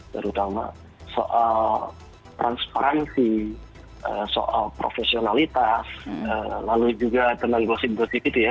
terutama soal transparansi soal profesionalitas lalu juga tentang gosip gosip itu ya